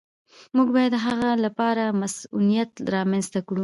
موږ باید د هغه لپاره مصونیت رامنځته کړو.